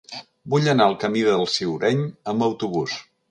Vull anar al camí del Ciureny amb autobús.